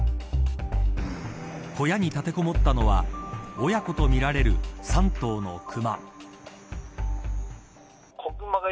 小屋に立てこもったのは親子とみられる３頭の熊。